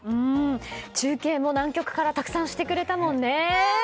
中継も南極からたくさんしてくれたもんね。